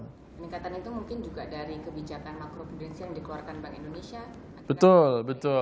peningkatan itu mungkin juga dari kebijakan makro prudensi yang dikeluarkan bank indonesia